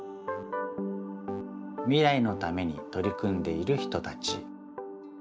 未来のためにとりくんでいる人たち。